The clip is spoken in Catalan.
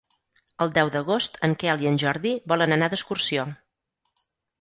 El deu d'agost en Quel i en Jordi volen anar d'excursió.